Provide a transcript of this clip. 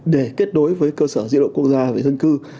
để kết đối với cơ sở diện độ quốc gia và dân cư